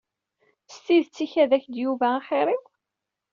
S tidet ikad-ak-d Yuba axir-iw?